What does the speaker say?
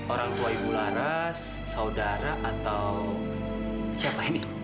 orang buah bularas saudara atau siapa ini